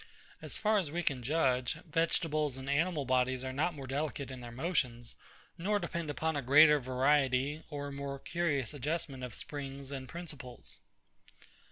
As far as we can judge, vegetables and animal bodies are not more delicate in their motions, nor depend upon a greater variety or more curious adjustment of springs and principles.